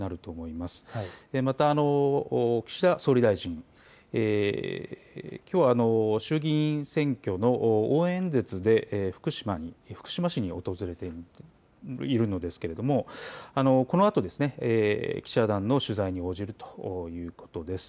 また岸田総理大臣、きょうは衆議院選挙の応援演説で福島市に訪れているのですけれども、このあと記者団の取材に応じるということです。